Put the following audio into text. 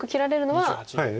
はい。